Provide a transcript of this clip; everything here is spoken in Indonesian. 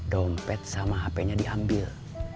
dompet sama hp nya diambil